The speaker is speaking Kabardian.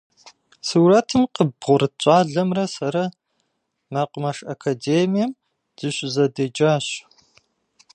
Сурэтым къыббгъурыт щӏалэмрэ сэрэ мэкъумэш академием дыщызэдеджащ.